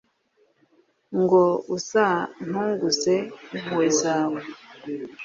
ngo uzantunguze impuhwe zawe,